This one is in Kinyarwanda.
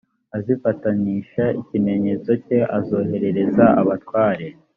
azifatanisha ikimenyetso cye azoherereza abatware